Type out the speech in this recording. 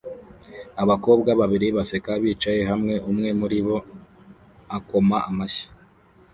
Abakobwa babiri baseka bicaye hamwe umwe muri bo akoma amashyi